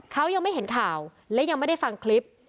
เขายังไม่เห็นข่าวและยังไม่ได้ฟังคลิป